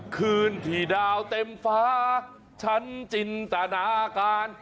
คืนที่ดาวเต็มฟ้าฉันจินตนาการ